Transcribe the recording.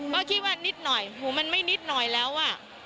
ก็คิดว่านิดหน่อยหูมันไม่นิดหน่อยแล้ว